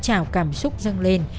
chào cảm xúc dâng lên